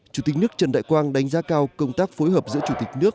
chủ tịch nước trần đại quang đánh giá cao công tác phối hợp giữa chủ tịch nước